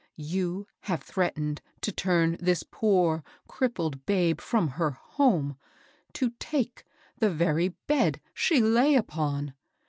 You have threat ened to turn this poor, crippled babe &om her home, — to take the very bed she lay upon!